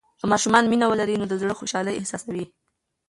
که ماشومان مینه ولري، نو د زړه خوشالي احساسوي.